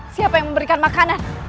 siapa yang memberikan makanan